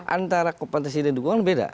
antara kompetensi dan dukungan beda